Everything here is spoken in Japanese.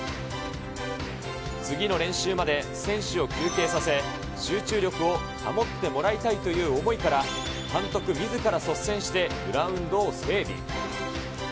次の練習まで選手を休憩させ、集中力を保ってもらいたいという思いから、監督みずから率先してグラウンドを整備。